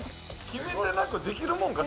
決めてなくてできるもんか？